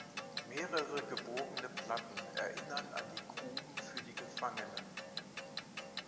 Mehrere gebogene Platten erinnern an die Gruben für die Gefangenen.